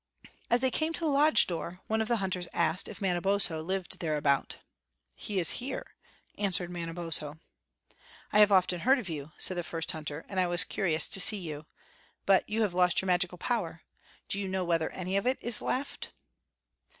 As they came to the lodge door, one of the hunters asked if Manabozho lived thereabout. "He is here," answered Manabozho. "I have often heard of you," said the first hunter, "and I was curions to see you. But you have lost your magical power. Do you know whether any of it is left?"